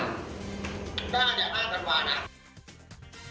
ได้อย่าอ้าวสันวานะ